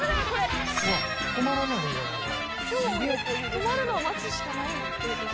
止まるのを待つしかない。